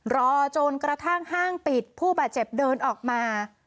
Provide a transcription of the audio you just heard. รอจนกระทั่งห้างปิดผู้บาดเจ็บเดินออกมา